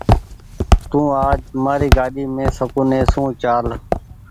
تو آج مآري گآڏي مين سڪونيٚ سون چآل۔